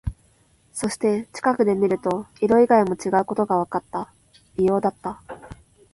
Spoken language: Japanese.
そして、近くで見ると、色以外も違うことがわかった。異様だった。